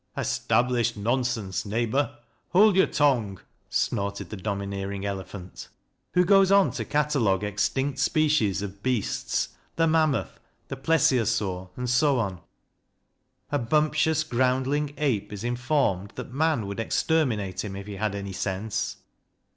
" Established Nonsense, neighbour ; hold your tongue," Snorted the domineering Elephant, who goes on to catalogue extinct species of beasts the mammoth, the plesiosaur, and so on. A bumptious groundling ape is informed that man would exter minate him if he had any sense.